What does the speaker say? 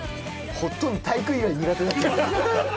ほとんど体育以外苦手だった。